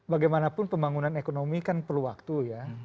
bagaimanapun pembangunan ekonomi kan perlu waktu ya